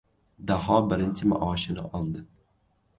Daho birinchi maoshini oldi.